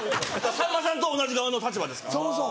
さんまさんと同じ側の立場ですから。